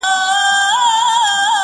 چي اعلان به مو جګړه را میداني کړه،